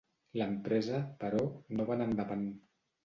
L’empresa, però, no va anar endavant.